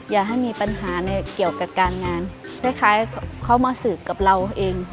อย่าให้มีปัญหาในเกี่ยวกับการงานคล้ายเขามาสืบกับเราเอง